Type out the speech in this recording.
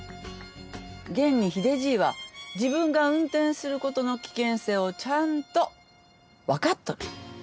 現に秀じいは自分が運転することの危険性をちゃんと分かっとる。